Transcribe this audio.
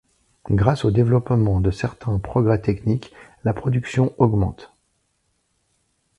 Grâce au développement de certains progrès techniques, la production augmente.